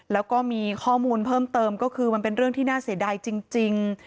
แล้วก็มีข้อมูลเพิ่มเติมก็คือมันเป็นเรื่องที่น่าเสียดายจริง